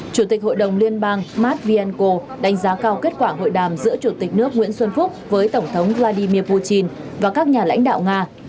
chủ tịch hội đồng liên bang matvienko đánh giá cao kết quả hội đàm giữa chủ tịch nước nguyễn xuân phúc với tổng thống vladimir putin và các nhà lãnh đạo nga